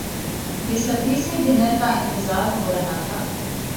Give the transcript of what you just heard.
بےصبری سے ڈنر کا انتظار ہورہا تھا